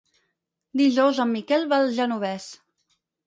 Dijous en Miquel va al Genovés.